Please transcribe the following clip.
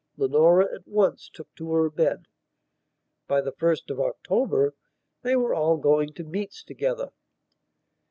Leonora at once took to her bed. By the 1st of October they were all going to meets together.